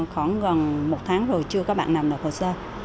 khoảng gần một tháng rồi chưa có bạn nào nộp hồ sơ